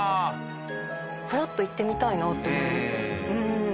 フラッと行ってみたいなって思います。